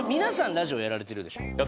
ラジオやられてるでしょ？